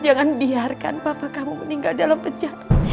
jangan biarkan papa kamu meninggal dalam pecah